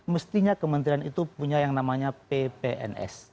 mestinya kementerian itu punya yang namanya ppns